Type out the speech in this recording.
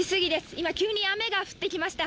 今、急に雨が降ってきました。